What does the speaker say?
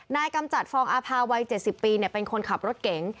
นายกำจัดฟองอภาว์วัยเจ็ดสิบปีเนี่ยเป็นคนขับรถเก๋ง